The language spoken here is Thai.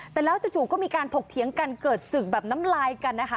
แต่แล้วจู่ก็มีการถกเถียงกันเกิดศึกแบบน้ำลายกันนะคะ